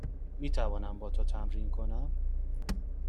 می توانم با تو تمرین کنم؟